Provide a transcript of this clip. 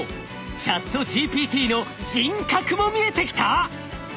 ＣｈａｔＧＰＴの人格も見えてきた！？